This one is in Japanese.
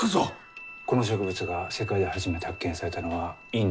この植物が世界で初めて発見されたのはインド。